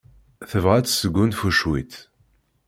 Tebɣa ad tesgunfu cwiṭ.